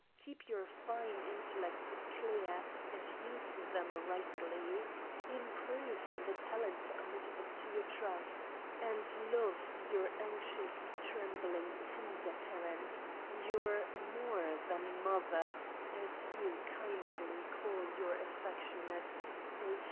Keep your fine Intellects clear, and use them rightly; Improve the Talents committed to your Trust; and love your anxious trembling tender Parent ; your TO W. A. CONWAY. 33 more than Mother, as you kindly call your affectionate H.